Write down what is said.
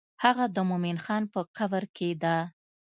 هغه د مومن خان په قبر کې ده.